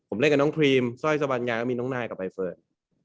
ผมเล่นกับน้องครีมสร้อยสวัญญาก็มีน้องนายกับใบเฟิร์น